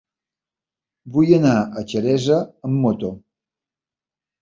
Vull anar a Xeresa amb moto.